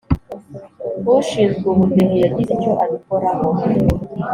ushinzwe ubudehe yagize icyo abikoraho